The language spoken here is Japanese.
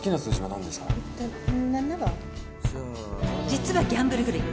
実はギャンブル狂い。